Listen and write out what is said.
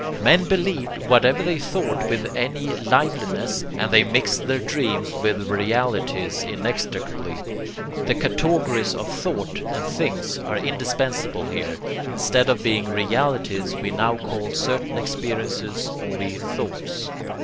Men believed whatever they thought with any liveliness, and they mixed their dreams with their realities inextricably. The categories of 'thought' and 'things' are indispensable here instead of being realities we now call certain experiences only 'thoughts.'